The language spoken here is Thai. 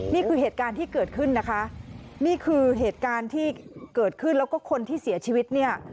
นี่คือเหตุการณ์ที่เกิดขึ้นนะคะนี่คือเหตุการณ์ที่เกิดขึ้นแล้วก็คนที่เสียชีวิตเนี่ย